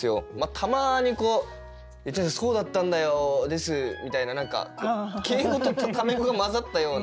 たまに「そうだったんだよです」みたいな何か敬語とタメ語が交ざったような。